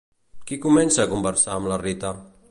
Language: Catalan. Qui comença a conversar amb la Rita?